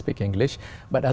tôi có thể ngồi xuống